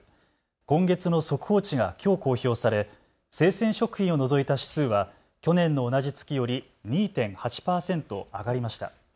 今月の速報値がきょう公表され生鮮食品を除いた指数は去年の同じ月より２．８％上がりました。